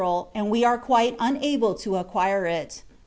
153 and we are quite unable to acquire it.